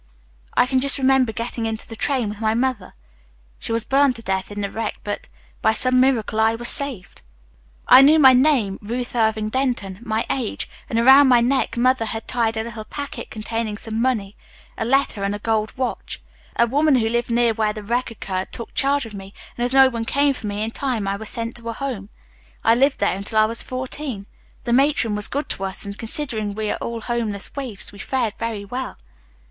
I can just remember getting into the train with my mother. She was burned to death in the wreck, but by some miracle I was saved. I knew my name, Ruth Irving Denton, my age, and around my neck mother had tied a little packet containing some money, a letter and a gold watch. A woman who lived near where the wreck occurred took charge of me, and as no one came for me, in time I was sent to a home. I lived there until I was fourteen. The matron was good to us, and considering we were all homeless waifs we fared very well."